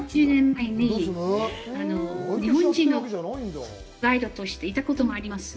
日本人のガイドとして行ったこともあります。